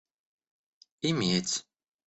иметь